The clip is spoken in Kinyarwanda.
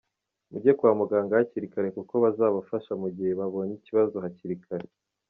Mujye kwa Muganga hakiri kare kuko bazabafasha mu gihe babonye ikibazo hakiri kare.